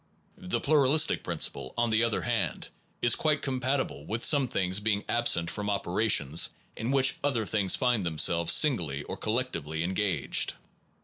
The plural istic principle, on the other hand, is quite com patible with some things being absent from operations in which other things find them selves singly or collectively engaged.